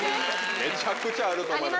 めちゃくちゃあると思います。